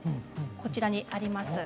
こちらにあります